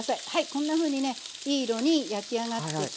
こんなふうにねいい色に焼き上がってきました。